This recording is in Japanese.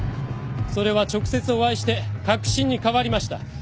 それは直接お会いして確信に変わりました。